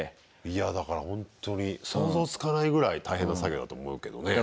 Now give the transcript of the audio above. いやだからほんとに想像つかないぐらい大変な作業だと思うけどね。